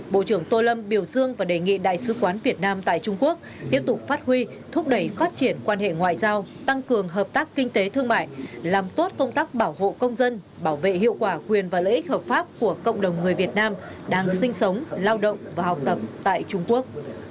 bộ trưởng tô lâm biểu dương và đề nghị đại sứ quán việt nam tại trung quốc tiếp tục phát huy thúc đẩy phát triển quan hệ ngoại giao tăng cường hợp tác kinh tế thương mại làm tốt công tác bảo hộ công dân bảo vệ hiệu quả quyền và lợi ích hợp pháp của cộng đồng người việt nam đang sinh sống lao động và học tập tại trung quốc